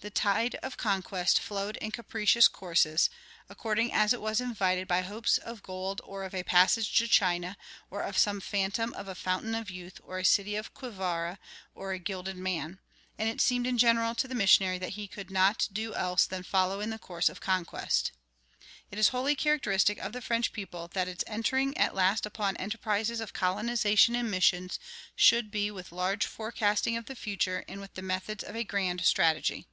The tide of conquest flowed in capricious courses, according as it was invited by hopes of gold or of a passage to China, or of some phantom of a Fountain of Youth or a city of Quivira or a Gilded Man; and it seemed in general to the missionary that he could not do else than follow in the course of conquest. It is wholly characteristic of the French people that its entering at last upon enterprises of colonization and missions should be with large forecasting of the future and with the methods of a grand strategy.